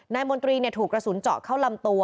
มนตรีถูกกระสุนเจาะเข้าลำตัว